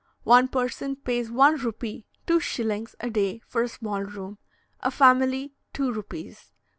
One person pays one rupee (2s.) a day for a small room; a family, two rupees.